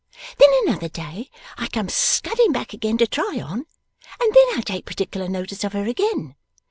Then another day, I come scudding back again to try on, and then I take particular notice of her again.